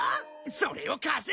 それを貸せ！